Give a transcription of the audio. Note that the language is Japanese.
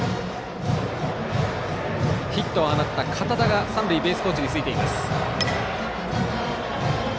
ヒットを放った堅田が三塁ベースコーチについています。